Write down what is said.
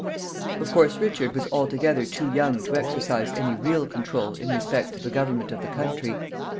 Of course, Richard was altogether too young to exercise any real control in respect to the government of the country.